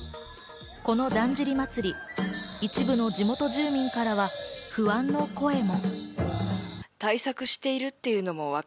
このだんじり祭、一部の地元住民からは不安の声も。